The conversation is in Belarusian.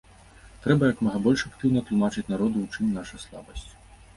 Трэба як мага больш актыўна тлумачыць народу, у чым наша слабасць.